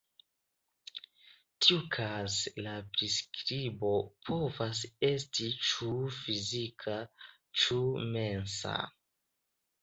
Tiukaze la priskribo povas esti ĉu fizika ĉu mensa.